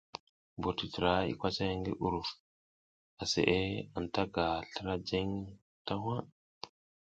Mbur titira i kocay ngi uruf, aseʼe anta ta ga slra jenge ta waʼa.